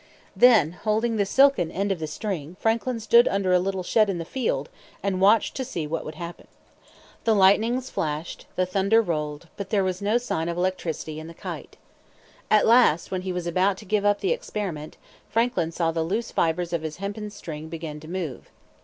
Then, holding the silken end of the string, Franklin stood under a little shed in the field, and watched to see what would happen. The lightnings flashed, the thunder rolled, but there was no sign of electricity in the kite. At last, when he was about to give up the experiment, Franklin saw the loose fibres of his hempen string begin to move.